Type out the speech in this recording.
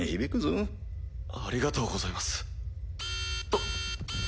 あっ。